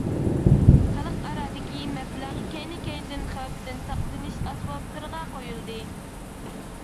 خەلقئارادىكى مەبلەغ كەينى-كەينىدىن خەۋپتىن ساقلىنىش ئەسۋابلىرىغا قۇيۇلدى.